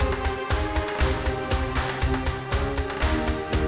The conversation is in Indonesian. gopang sama bubun